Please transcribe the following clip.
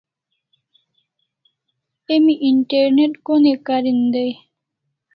Emi internet ko ne karin dai?